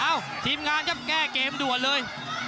ทีมงานครับแก้เกมด่วนเลย